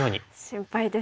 心配ですね。